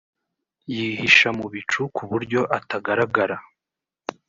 yihisha mu bicu ku buryo atagaragara